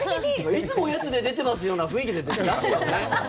いつもおやつで出てますよな雰囲気で出すもんね。